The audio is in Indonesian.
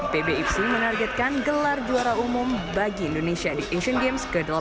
pbfc menargetkan gelar juara umum bagi indonesia di sea games ke delapan belas